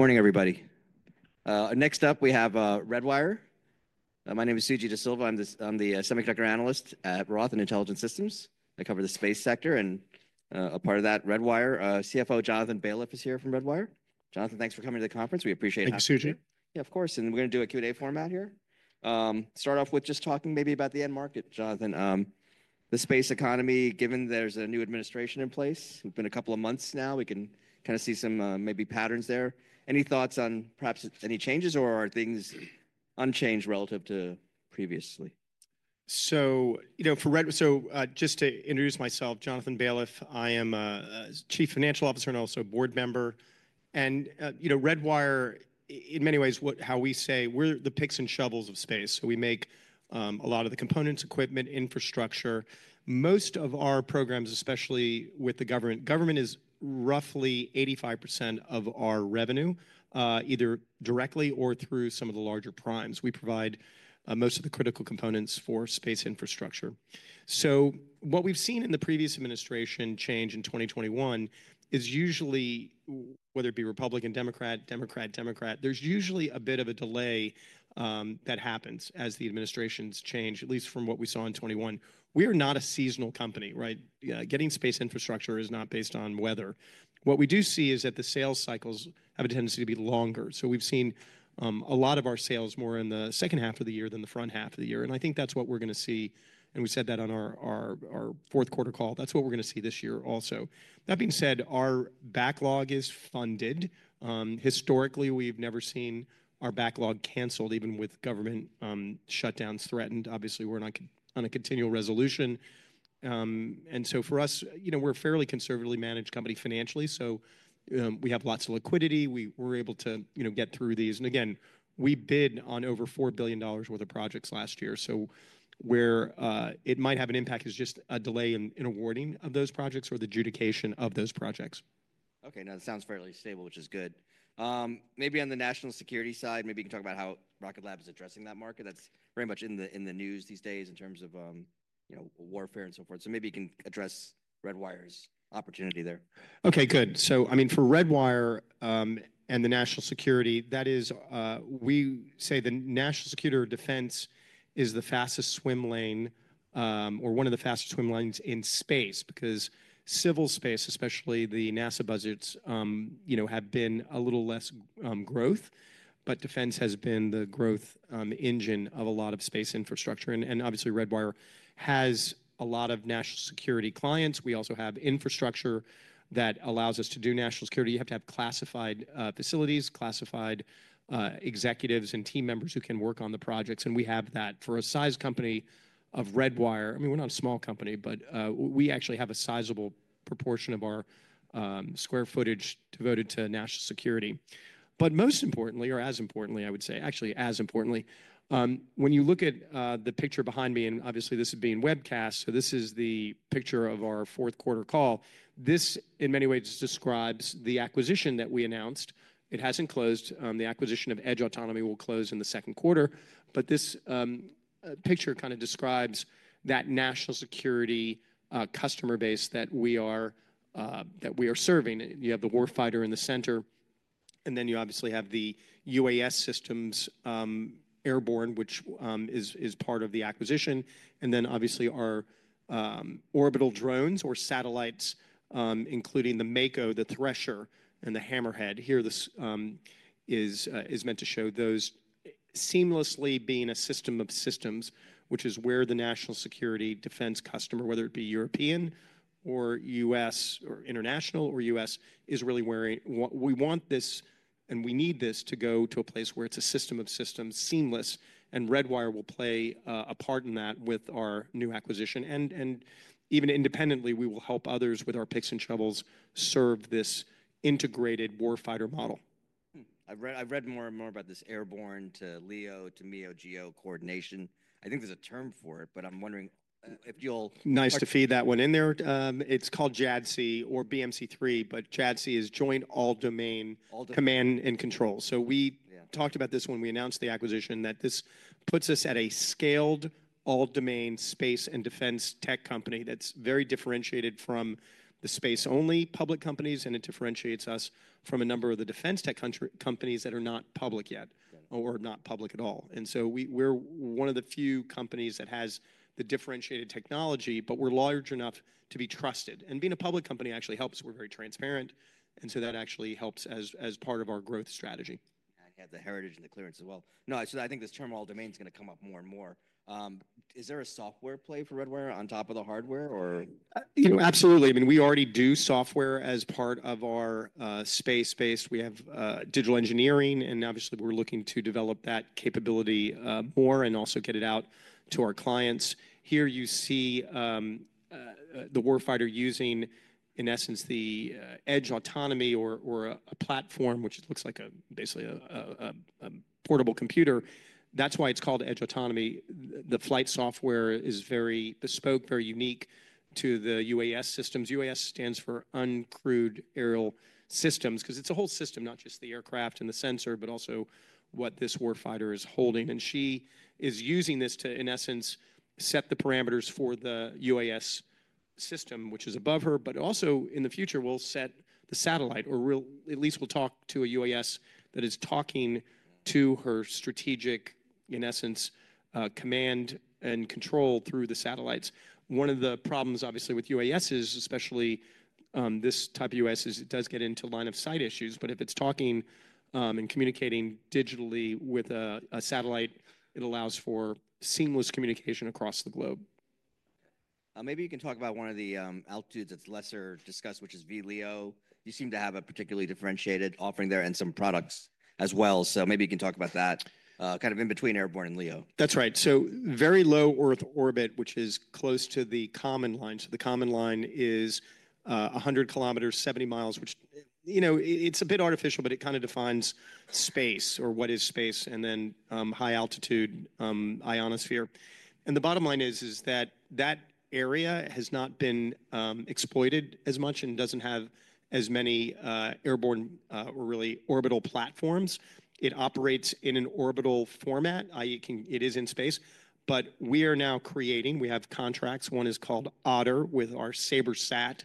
Good morning, everybody. Next up, we have Redwire. My name is Suji Desilva. I'm the semiconductor analyst at Roth and Intelligent Systems. I cover the space sector and a part of that Redwire. CFO Jonathan Baliff is here from Redwire. Jonathan, thanks for coming to the conference. We appreciate it. Thank you, Suji. Yeah, of course. We're going to do a Q&A format here. Start off with just talking maybe about the end market, Jonathan. The space economy, given there's a new administration in place, we've been a couple of months now. We can kind of see some maybe patterns there. Any thoughts on perhaps any changes or are things unchanged relative to previously? You know, for Redwire, just to introduce myself, Jonathan Baliff, I am Chief Financial Officer and also a board member. You know, Redwire, in many ways, how we say we're the picks and shovels of space. We make a lot of the components, equipment, infrastructure. Most of our programs, especially with the government, government is roughly 85% of our revenue, either directly or through some of the larger primes. We provide most of the critical components for space infrastructure. What we've seen in the previous administration change in 2021 is usually, whether it be Republican-Democrat, Democrat-Democrat, there's usually a bit of a delay that happens as the administrations change, at least from what we saw in 2021. We are not a seasonal company, right? Getting space infrastructure is not based on weather. What we do see is that the sales cycles have a tendency to be longer. We have seen a lot of our sales more in the second half of the year than the front half of the year. I think that is what we are going to see. We said that on our fourth quarter call. That is what we are going to see this year also. That being said, our backlog is funded. Historically, we have never seen our backlog canceled, even with government shutdowns threatened. Obviously, we are on a continual resolution. For us, you know, we are a fairly conservatively managed company financially. We have lots of liquidity. We were able to, you know, get through these. Again, we bid on over $4 billion worth of projects last year. Where it might have an impact is just a delay in awarding of those projects or the adjudication of those projects. Okay, now that sounds fairly stable, which is good. Maybe on the national security side, maybe you can talk about how Rocket Lab is addressing that market. That's very much in the news these days in terms of, you know, warfare and so forth. Maybe you can address Redwire's opportunity there. Okay, good. I mean, for Redwire and the national security, that is, we say the national security or defense is the fastest swim lane or one of the fastest swim lanes in space because civil space, especially the NASA budgets, you know, have been a little less growth, but defense has been the growth engine of a lot of space infrastructure. Obviously, Redwire has a lot of national security clients. We also have infrastructure that allows us to do national security. You have to have classified facilities, classified executives and team members who can work on the projects. We have that for a size company of Redwire. I mean, we're not a small company, but we actually have a sizable proportion of our square footage devoted to national security. Most importantly, or as importantly, I would say, actually as importantly, when you look at the picture behind me, and obviously this is being webcast, so this is the picture of our fourth quarter call. This in many ways describes the acquisition that we announced. It has not closed. The acquisition of Edge Autonomy will close in the second quarter. This picture kind of describes that national security customer base that we are serving. You have the warfighter in the center, and then you obviously have the UAS systems, Airborne, which is part of the acquisition. Then obviously our orbital drones or satellites, including the Mako, the Thresher, and the Hammerhead. Here this is meant to show those seamlessly being a system of systems, which is where the national security defense customer, whether it be European or U.S. or international or U.S., is really wearing what we want this and we need this to go to a place where it's a system of systems seamless. Redwire will play a part in that with our new acquisition. Even independently, we will help others with our picks and shovels serve this integrated warfighter model. I've read more and more about this airborne to LEO to MEO-GEO coordination. I think there's a term for it, but I'm wondering if you'll. Nice to feed that one in there. It's called JADC2 or BMC3, but JADC2 is Joint All-Domain Command and Control. We talked about this when we announced the acquisition that this puts us at a scaled all-domain space and defense tech company that's very differentiated from the space-only public companies, and it differentiates us from a number of the defense tech companies that are not public yet or not public at all. We are one of the few companies that has the differentiated technology, but we are large enough to be trusted. Being a public company actually helps. We are very transparent. That actually helps as part of our growth strategy. I had the heritage and the clearance as well. No, I think this term all-domain is going to come up more and more. Is there a software play for Redwire on top of the hardware or? You know, absolutely. I mean, we already do software as part of our space base. We have digital engineering, and obviously we're looking to develop that capability more and also get it out to our clients. Here you see the warfighter using, in essence, the Edge Autonomy or a platform, which looks like basically a portable computer. That's why it's called Edge Autonomy. The flight software is very bespoke, very unique to the UAS systems. UAS stands for Uncrewed Aerial Systems because it's a whole system, not just the aircraft and the sensor, but also what this warfighter is holding. She is using this to, in essence, set the parameters for the UAS system, which is above her, but also in the future will set the satellite or at least will talk to a UAS that is talking to her strategic, in essence, command and control through the satellites. One of the problems, obviously, with UAS, especially this type of UAS, is it does get into line of sight issues, but if it's talking and communicating digitally with a satellite, it allows for seamless communication across the globe. Maybe you can talk about one of the altitudes that's lesser discussed, which is VLEO. You seem to have a particularly differentiated offering there and some products as well. Maybe you can talk about that kind of in between Airborne and LEO. That's right. Very low Earth orbit, which is close to the Kármán line. The Kármán line is 100 km, 70 mi, which, you know, is a bit artificial, but it kind of defines space or what is space, and then high altitude, ionosphere. The bottom line is that area has not been exploited as much and does not have as many airborne or really orbital platforms. It operates in an orbital format, i.e., it is in space, but we are now creating, we have contracts. One is called Otter with our SabreSat,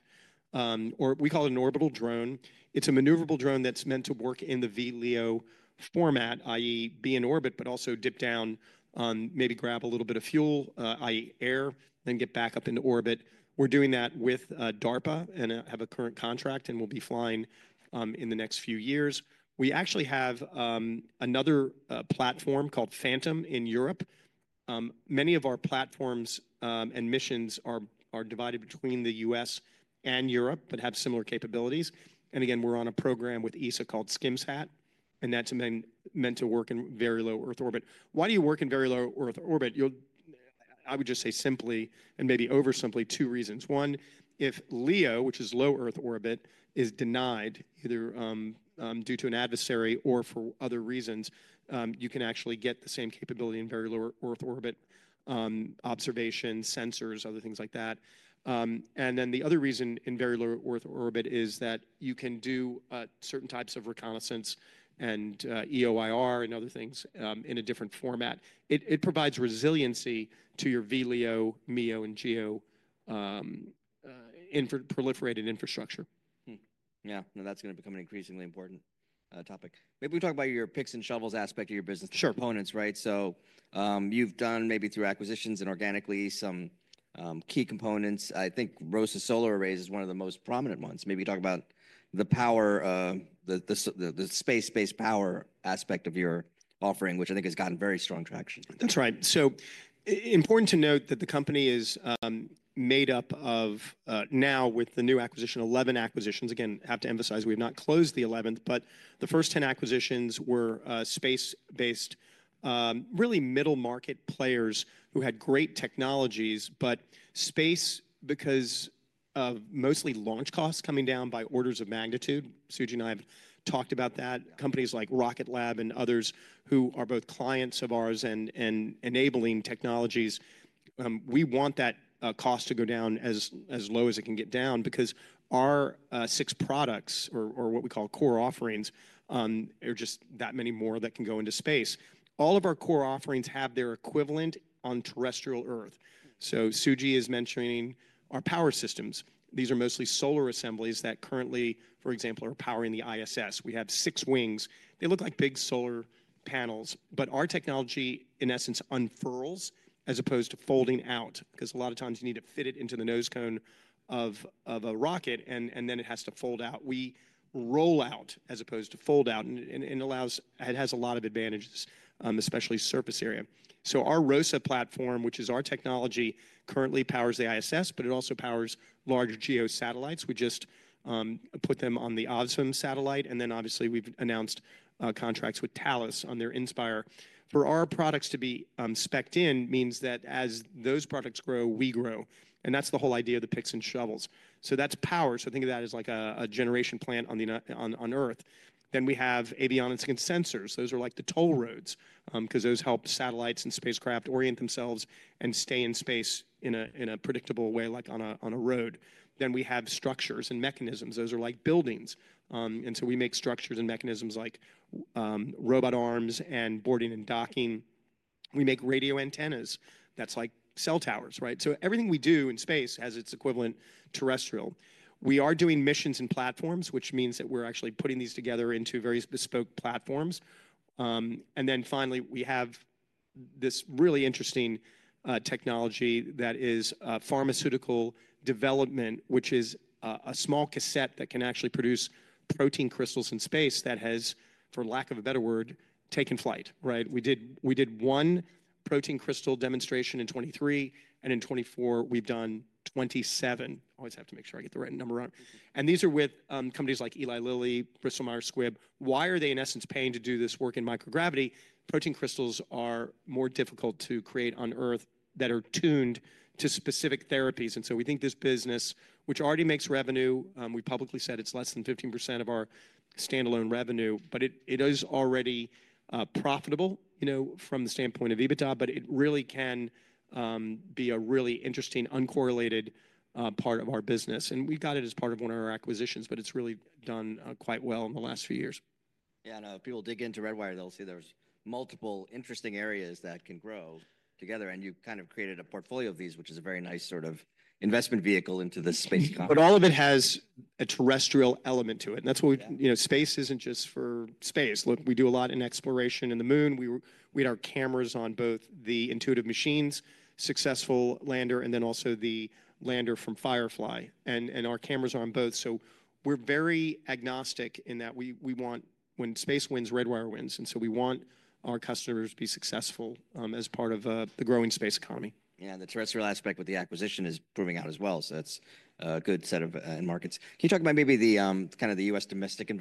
or we call it an orbital drone. It is a maneuverable drone that is meant to work in the VLEO format, i.e., be in orbit, but also dip down, maybe grab a little bit of fuel, i.e., air, then get back up into orbit. We're doing that with DARPA and have a current contract and we'll be flying in the next few years. We actually have another platform called Phantom in Europe. Many of our platforms and missions are divided between the U.S. and Europe, but have similar capabilities. Again, we're on a program with ESA called Skimsat, and that's meant to work in very low Earth orbit. Why do you work in very low Earth orbit? I would just say simply and maybe oversimply, two reasons. One, if LEO, which is low Earth orbit, is denied either due to an adversary or for other reasons, you can actually get the same capability in very low Earth orbit, observation, sensors, other things like that. The other reason in very low Earth orbit is that you can do certain types of reconnaissance and EO/IR and other things in a different format. It provides resiliency to your VLEO, MEO, and GEO proliferated infrastructure. Yeah, that's going to become an increasingly important topic. Maybe we talk about your picks and shovels aspect of your business components, right? So you've done maybe through acquisitions and organically some key components. I think ROSA solar arrays is one of the most prominent ones. Maybe you talk about the power, the space-based power aspect of your offering, which I think has gotten very strong traction. That's right. Important to note that the company is made up of now with the new acquisition, 11 acquisitions. Again, have to emphasize, we have not closed the 11th, but the first 10 acquisitions were space-based, really middle market players who had great technologies, but space because of mostly launch costs coming down by orders of magnitude. Suji and I have talked about that. Companies like Rocket Lab and others who are both clients of ours and enabling technologies, we want that cost to go down as low as it can get down because our six products or what we call core offerings are just that many more that can go into space. All of our core offerings have their equivalent on terrestrial Earth. Suji is mentioning our power systems. These are mostly solar assemblies that currently, for example, are powering the ISS. We have six wings. They look like big solar panels, but our technology, in essence, unfurls as opposed to folding out because a lot of times you need to fit it into the nose cone of a rocket and then it has to fold out. We roll out as opposed to fold out and it has a lot of advantages, especially surface area. Our ROSA platform, which is our technology, currently powers the ISS, but it also powers large GEO satellites. We just put them on the O3b mPOWER satellite. Obviously we've announced contracts with Thales Alenia Space on their Inspire. For our products to be specked in means that as those products grow, we grow. That's the whole idea of the picks and shovels. That's power. Think of that as like a generation plant on Earth. We have avionics and sensors. Those are like the toll roads because those help satellites and spacecraft orient themselves and stay in space in a predictable way, like on a road. We have structures and mechanisms. Those are like buildings. We make structures and mechanisms like robot arms and boarding and docking. We make radio antennas. That is like cell towers, right? Everything we do in space has its equivalent terrestrial. We are doing missions and platforms, which means that we are actually putting these together into various bespoke platforms. Finally, we have this really interesting technology that is pharmaceutical development, which is a small cassette that can actually produce protein crystals in space that has, for lack of a better word, taken flight, right? We did one protein crystal demonstration in 2023, and in 2024 we have done 27. I always have to make sure I get the right number on. These are with companies like Eli Lilly, Bristol Myers Squibb. Why are they in essence paying to do this work in microgravity? Protein crystals are more difficult to create on Earth that are tuned to specific therapies. We think this business, which already makes revenue, we publicly said it's less than 15% of our standalone revenue, but it is already profitable, you know, from the standpoint of EBITDA, but it really can be a really interesting uncorrelated part of our business. We got it as part of one of our acquisitions, but it's really done quite well in the last few years. Yeah, if people dig into Redwire, they'll see there's multiple interesting areas that can grow together. You kind of created a portfolio of these, which is a very nice sort of investment vehicle into the space. All of it has a terrestrial element to it. And that's why, you know, space isn't just for space. Look, we do a lot in exploration in the moon. We had our cameras on both the Intuitive Machines successful lander, and then also the lander from Firefly. Our cameras are on both. We are very agnostic in that we want when space wins, Redwire wins. We want our customers to be successful as part of the growing space economy. Yeah, and the terrestrial aspect with the acquisition is proving out as well. That's a good set of markets. Can you talk about maybe the kind of the U.S. domestic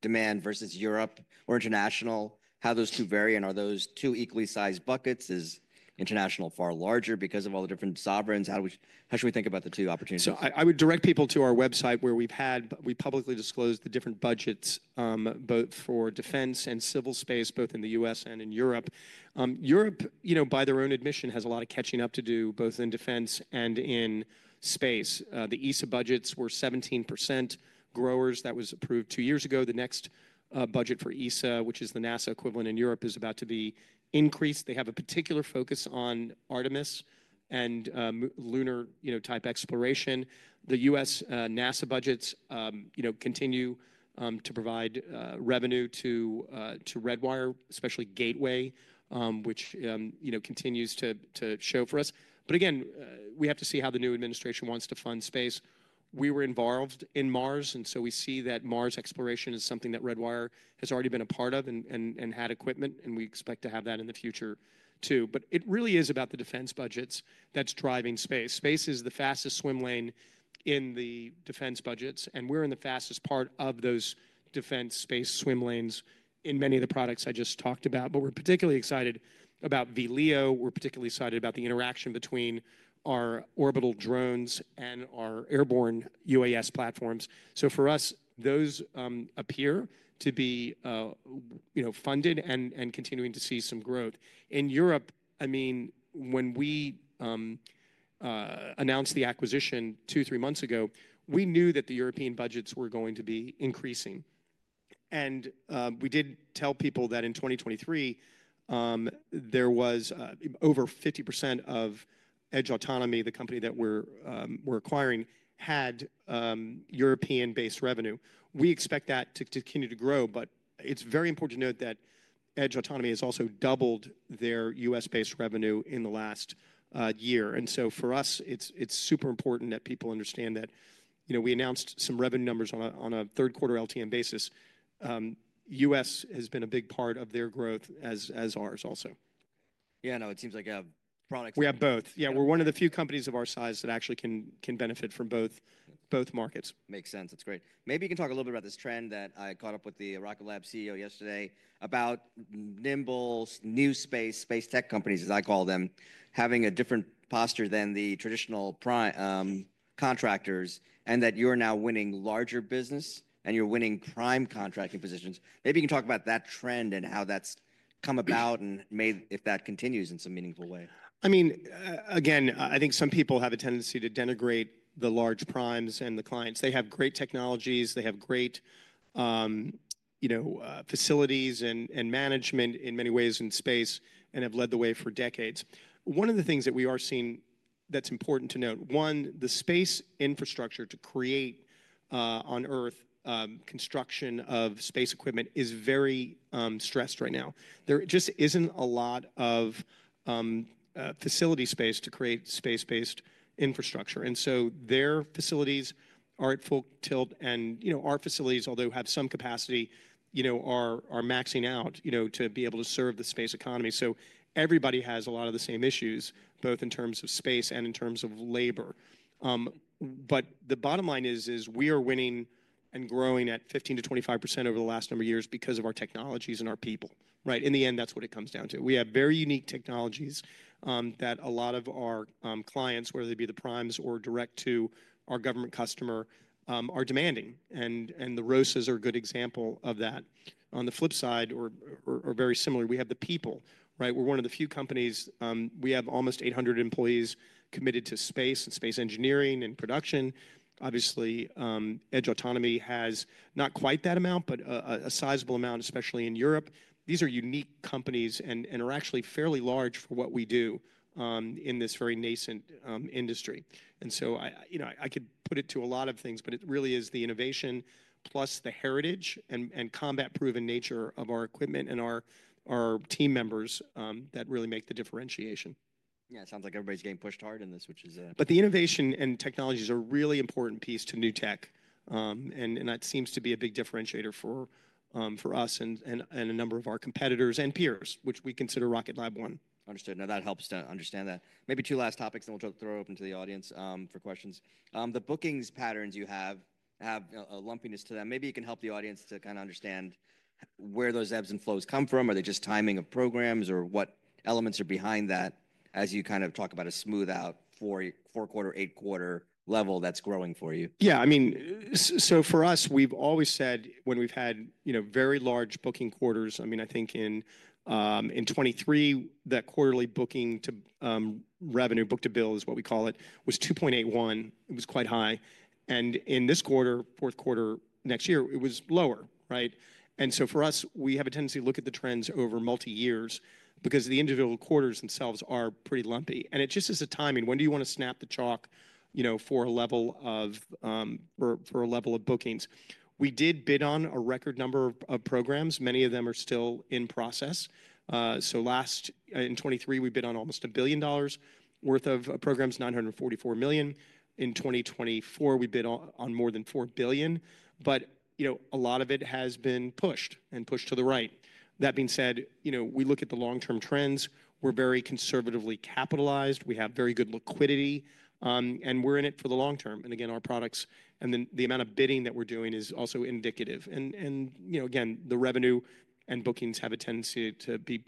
demand versus Europe or international, how those two vary? Are those two equally sized buckets? Is international far larger because of all the different sovereigns? How should we think about the two opportunities? I would direct people to our website where we've had, we publicly disclosed the different budgets both for defense and civil space, both in the U.S. and in Europe. Europe, you know, by their own admission, has a lot of catching up to do both in defense and in space. The ESA budgets were 17% growers. That was approved two years ago. The next budget for ESA, which is the NASA equivalent in Europe, is about to be increased. They have a particular focus on Artemis and lunar, you know, type exploration. The U.S. NASA budgets, you know, continue to provide revenue to Redwire, especially Gateway, which, you know, continues to show for us. Again, we have to see how the new administration wants to fund space. We were involved in Mars, and we see that Mars exploration is something that Redwire has already been a part of and had equipment, and we expect to have that in the future too. It really is about the defense budgets that's driving space. Space is the fastest swim lane in the defense budgets, and we're in the fastest part of those defense space swim lanes in many of the products I just talked about. We're particularly excited about VLEO. We're particularly excited about the interaction between our orbital drones and our Airborne UAS platforms. For us, those appear to be, you know, funded and continuing to see some growth. In Europe, I mean, when we announced the acquisition two, three months ago, we knew that the European budgets were going to be increasing. We did tell people that in 2023, there was over 50% of Edge Autonomy, the company that we're acquiring, had European-based revenue. We expect that to continue to grow, but it's very important to note that Edge Autonomy has also doubled their U.S.-based revenue in the last year. For us, it's super important that people understand that, you know, we announced some revenue numbers on a third quarter LTM basis. U.S. has been a big part of their growth as ours also. Yeah, no, it seems like a product. We have both. Yeah, we're one of the few companies of our size that actually can benefit from both markets. Makes sense. That's great. Maybe you can talk a little bit about this trend that I caught up with the Rocket Lab CEO yesterday about nimble, New Space, Space Tech companies, as I call them, having a different posture than the traditional contractors and that you're now winning larger business and you're winning prime contracting positions. Maybe you can talk about that trend and how that's come about and if that continues in some meaningful way. I mean, again, I think some people have a tendency to denigrate the large primes and the clients. They have great technologies. They have great, you know, facilities and management in many ways in space and have led the way for decades. One of the things that we are seeing that's important to note, one, the space infrastructure to create on Earth construction of space equipment is very stressed right now. There just isn't a lot of facility space to create space-based infrastructure. Their facilities aren't full tilt. You know, our facilities, although have some capacity, you know, are maxing out, you know, to be able to serve the space economy. Everybody has a lot of the same issues, both in terms of space and in terms of labor. The bottom line is, we are winning and growing at 15%-25% over the last number of years because of our technologies and our people, right? In the end, that's what it comes down to. We have very unique technologies that a lot of our clients, whether they be the primes or direct to our government customer, are demanding. The ROSAs are a good example of that. On the flip side or very similar, we have the people, right? We're one of the few companies. We have almost 800 employees committed to space and space engineering and production. Obviously, Edge Autonomy has not quite that amount, but a sizable amount, especially in Europe. These are unique companies and are actually fairly large for what we do in this very nascent industry. You know, I could put it to a lot of things, but it really is the innovation plus the heritage and combat-proven nature of our equipment and our team members that really make the differentiation. Yeah, it sounds like everybody's getting pushed hard in this, which is. The innovation and technologies are a really important piece to new tech. That seems to be a big differentiator for us and a number of our competitors and peers, which we consider Rocket Lab one. Understood. Now that helps to understand that. Maybe two last topics and we'll throw it open to the audience for questions. The bookings patterns you have have a lumpiness to them. Maybe you can help the audience to kind of understand where those ebbs and flows come from. Are they just timing of programs or what elements are behind that as you kind of talk about a smooth out four quarter, eight quarter level that's growing for you? Yeah, I mean, so for us, we've always said when we've had, you know, very large booking quarters, I mean, I think in 2023, that quarterly booking to revenue, book-to-bill is what we call it, was 2.81. It was quite high. In this quarter, fourth quarter next year, it was lower, right? For us, we have a tendency to look at the trends over multi-years because the individual quarters themselves are pretty lumpy. It just is a timing. When do you want to snap the chalk, you know, for a level of, for a level of bookings? We did bid on a record number of programs. Many of them are still in process. Last in 2023, we bid on almost a billion dollars worth of programs, $944 million. In 2024, we bid on more than $4 billion. You know, a lot of it has been pushed and pushed to the right. That being said, you know, we look at the long-term trends. We're very conservatively capitalized. We have very good liquidity. We're in it for the long term. Again, our products and the amount of bidding that we're doing is also indicative. You know, again, the revenue and bookings have a tendency to be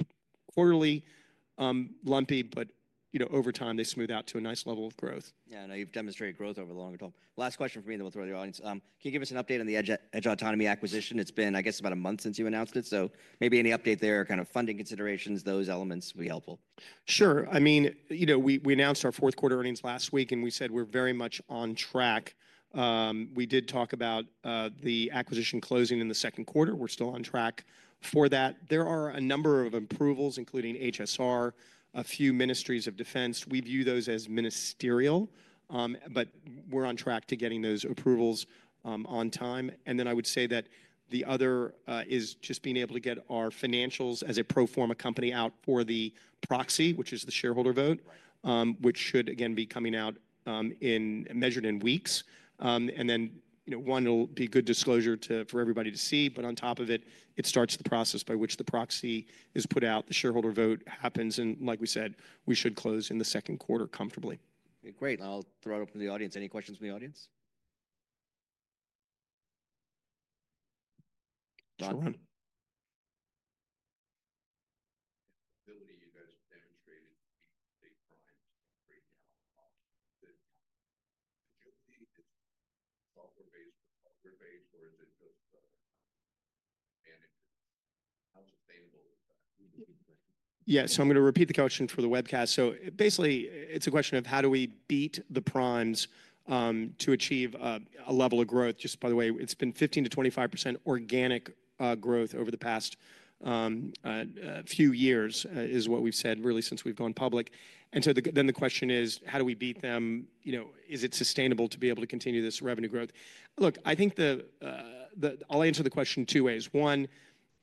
quarterly lumpy, but, you know, over time they smooth out to a nice level of growth. Yeah, and you've demonstrated growth over the longer term. Last question for me then we'll throw to the audience. Can you give us an update on the Edge Autonomy acquisition? It's been, I guess, about a month since you announced it. Maybe any update there, kind of funding considerations, those elements will be helpful. Sure. I mean, you know, we announced our fourth quarter earnings last week and we said we're very much on track. We did talk about the acquisition closing in the second quarter. We're still on track for that. There are a number of approvals, including HSR, a few ministries of defense. We view those as ministerial, but we're on track to getting those approvals on time. I would say that the other is just being able to get our financials as a pro forma company out for the proxy, which is the shareholder vote, which should again be coming out measured in weeks. You know, one, it'll be good disclosure for everybody to see, but on top of it, it starts the process by which the proxy is put out. The shareholder vote happens. Like we said, we should close in the second quarter comfortably. Great. I'll throw it open to the audience. Any questions from the audience? Ron. The ability you guys demonstrated to be the prime to create the software-based or software-based, or is it just managed? How sustainable is that? Yeah, so I'm going to repeat the question for the webcast. Basically, it's a question of how do we beat the primes to achieve a level of growth? Just by the way, it's been 15%-25% organic growth over the past few years is what we've said really since we've gone public. The question is, how do we beat them? You know, is it sustainable to be able to continue this revenue growth? Look, I think I'll answer the question in two ways. One,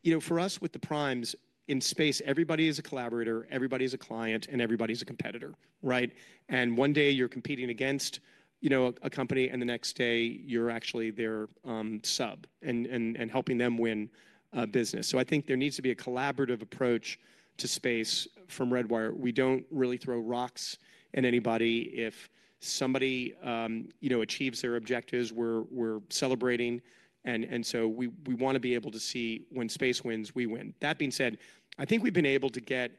you know, for us with the primes in space, everybody is a collaborator, everybody is a client, and everybody is a competitor, right? One day you're competing against, you know, a company and the next day you're actually their sub and helping them win business. I think there needs to be a collaborative approach to space from Redwire. We do not really throw rocks at anybody. If somebody, you know, achieves their objectives, we are celebrating. We want to be able to see when space wins, we win. That being said, I think we have been able to get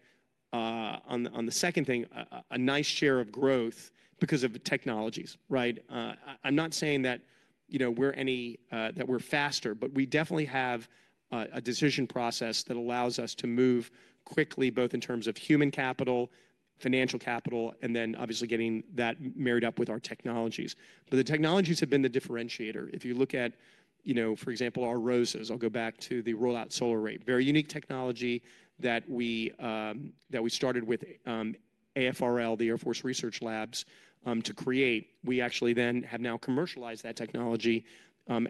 on the second thing, a nice share of growth because of the technologies, right? I am not saying that, you know, we are any, that we are faster, but we definitely have a decision process that allows us to move quickly, both in terms of human capital, financial capital, and then obviously getting that married up with our technologies. The technologies have been the differentiator. If you look at, you know, for example, our ROSAs, I will go back to the Roll-Out Solar Array, very unique technology that we started with AFRL, the Air Force Research Labs, to create. We actually then have now commercialized that technology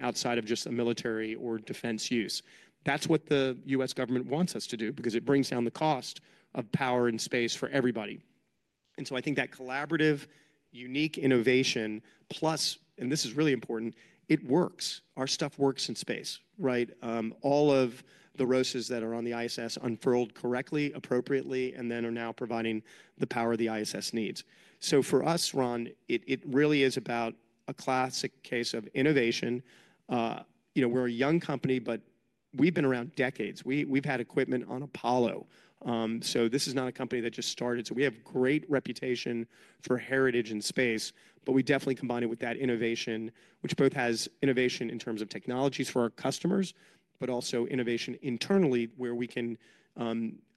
outside of just a military or defense use. That is what the US government wants us to do because it brings down the cost of power in space for everybody. I think that collaborative, unique innovation, plus, and this is really important, it works. Our stuff works in space, right? All of the ROSAs that are on the ISS unfurled correctly, appropriately, and then are now providing the power the ISS needs. For us, Ron, it really is about a classic case of innovation. You know, we are a young company, but we have been around decades. We have had equipment on Apollo. This is not a company that just started. We have great reputation for heritage in space, but we definitely combine it with that innovation, which both has innovation in terms of technologies for our customers, but also innovation internally where we can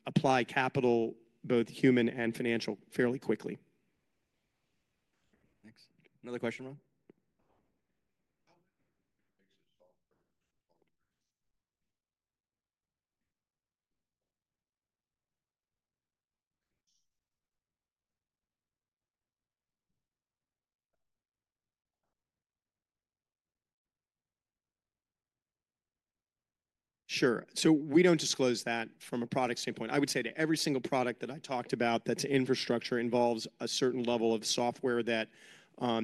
apply capital, both human and financial, fairly quickly. Thanks. Another question, Ron? Sure. We do not disclose that from a product standpoint. I would say to every single product that I talked about that is infrastructure involves a certain level of software that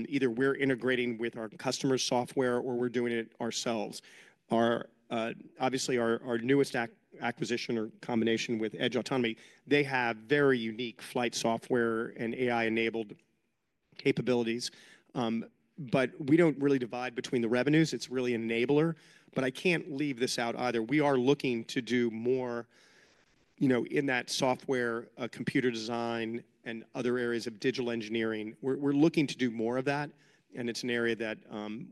either we are integrating with our customer's software or we are doing it ourselves. Obviously, our newest acquisition or combination with Edge Autonomy, they have very unique flight software and AI-enabled capabilities. We do not really divide between the revenues. It is really an enabler. I cannot leave this out either. We are looking to do more, you know, in that software, computer design and other areas of digital engineering. We are looking to do more of that. It is an area that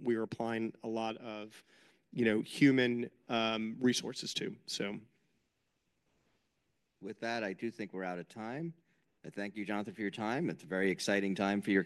we are applying a lot of, you know, human resources to, so. With that, I do think we're out of time. Thank you, Jonathan, for your time. It's a very exciting time for you.